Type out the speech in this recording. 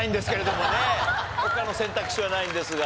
他の選択肢はないんですが。